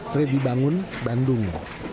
fredy bangun bandung